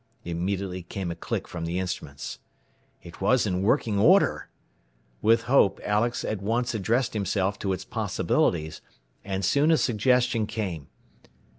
Immediately came a click from the instruments. It was in working order! With hope Alex at once addressed himself to its possibilities, and soon a suggestion came.